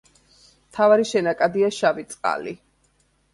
მთავარი შენაკადია შავი წყალი.